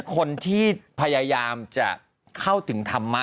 คนที่พยายามจะเข้าถึงธรรมะ